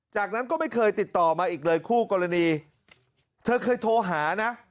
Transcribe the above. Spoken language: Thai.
จากนั้นก็ไม่เคยติดต่อมาอีกเลยคู่กรณีเธอเคยโทรหานะ